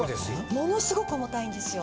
ものすごく重たいんですよ。